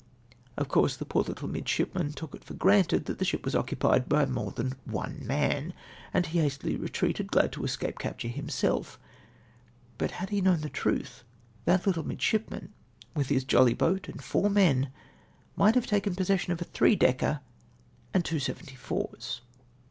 " Of course the poor little midshipman took it for granted that the ship was occupied by more than that one man, and he hastily retreated, glad to escape capture himself; but had he known the truth, that little mkJshlpman, luith his jolly boat and four men, might have taken possession of a three decker and two seventy fours